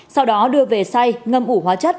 sau đó đưa về xay ngâm ủ hóa chất